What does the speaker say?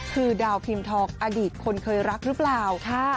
คือดาวพิมพ์ทองอดีตคนเคยรักหรือเปล่า